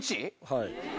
はい。